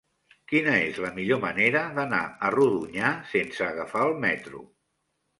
Quina és la millor manera d'anar a Rodonyà sense agafar el metro?